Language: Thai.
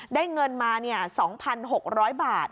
ได้เงินมาเนี่ยสองพันหกร้อยบาท